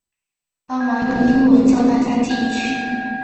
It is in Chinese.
帮忙用英文叫大家进去